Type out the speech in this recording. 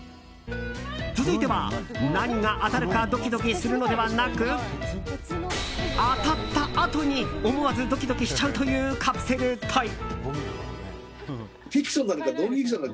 続いては、何が当たるかドキドキするのではなく当たったあとに思わずドキドキしちゃうというカプセルトイ。